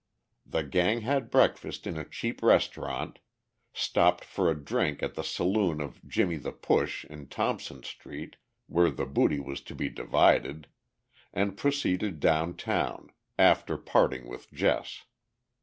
The gang had breakfast in a cheap restaurant, stopped for a drink at the saloon of "Jimmie the Push" in Thompson street, where the booty was to be divided, and proceeded downtown, after parting with Jess.